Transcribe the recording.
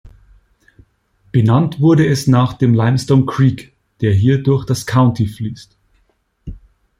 Benannt wurde es nach dem Limestone Creek, der hier durch das County fließt.